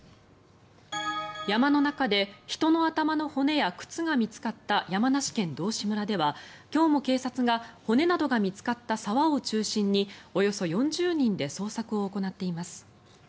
山の中で人の頭の骨や靴が見つかった山梨県道志村では今日も警察が骨などが見つかった沢を中心におよそ４０人で捜索を行っています。